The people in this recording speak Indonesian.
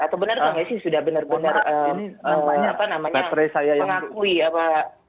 atau benar nggak sih sudah benar benar mengakui apa